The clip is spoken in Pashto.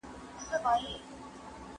ما مخکي د سبا لپاره د درسونو يادونه کړې وه!!